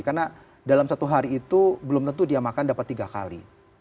karena dalam satu hari itu belum tentu dia makan dapat tiga kali